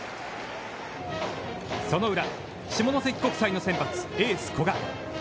その裏、下関国際の先発エース古賀。